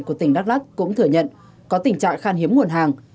của tỉnh đắk lắc cũng thử nhận có tình trạng khang hiếm nguồn hàng